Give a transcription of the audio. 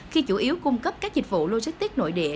khi chủ yếu cung cấp các dịch vụ logistics nội địa